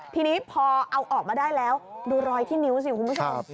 ทีนี้พอเอาออกมาได้แล้วดูรอยที่นิ้วสิคุณผู้ชม